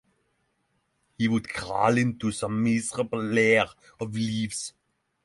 He would crawl into some miserable lair of leaves.